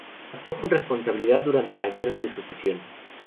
Actuó con responsabilidad durante la Guerra de Sucesión.